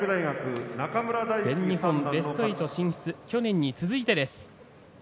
全日本ベスト８進出去年に続いてです。